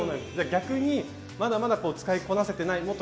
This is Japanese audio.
逆にまだまだ使いこなせてない